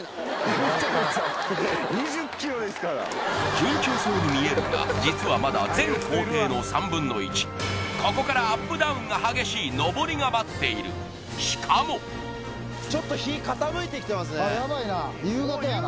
順調そうに見えるが実はまだ全行程の３分の１ここからアップダウンが激しい登りが待っているしかもあっヤバいな